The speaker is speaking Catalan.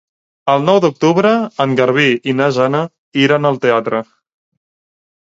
El nou d'octubre en Garbí i na Jana iran al teatre.